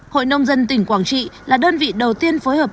hội nông dân tỉnh quảng trị là đơn vị đầu tiên phối hợp